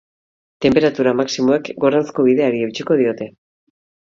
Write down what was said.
Tenperatura maximoek goranzko bideari eutsiko diote.